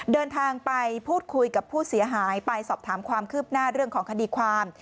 เดินทางไปพูดคุยกับผู้เสียหายไปสอบถามความคืบหน้าเรื่องของคดีความ